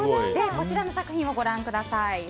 こちらの作品をご覧ください。